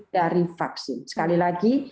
dari vaksin sekali lagi